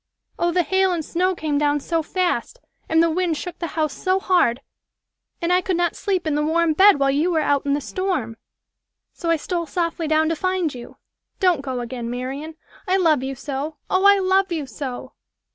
"Oh, the hail and snow came down so fast, and the wind shook the house so hard, and I could not sleep in the warm bed while you were out in the storm. So I stole softly down to find you. Don't go again, Marian. I love you so oh! I love you so!"